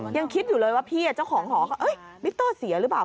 ยังคิดอยู่เลยว่าพี่เจ้าของหอก็มิเตอร์เสียหรือเปล่า